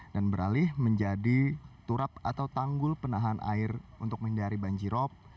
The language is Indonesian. dan beralih menjadi turap atau tanggul penahan air untuk menghindari banjirop